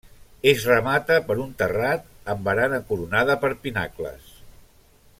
Es remata per un terrat amb barana coronada per pinacles.